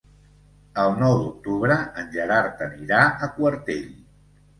El nou d'octubre en Gerard anirà a Quartell.